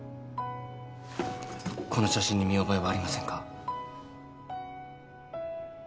この写真に見覚えはありませんか？